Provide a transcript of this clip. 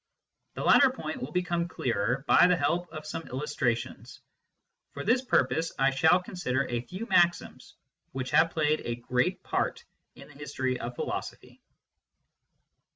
The latter point will become clearer by the help of some illustrations. For this purpose I shall consider a few maxims which have played a great part in the history of philosophy.